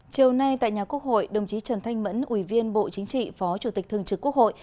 chiều nay tại nhà quốc hội đồng chí trần thanh mẫn ủy viên bộ chính trị phó chủ tịch thường trực quốc hội